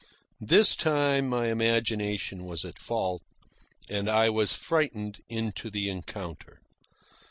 This time my imagination was at fault, and I was frightened into the encounter.